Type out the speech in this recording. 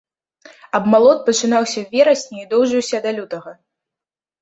Абмалот пачынаўся ў верасні і доўжыўся да лютага.